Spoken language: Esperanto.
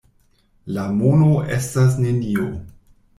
La mono estas nenio!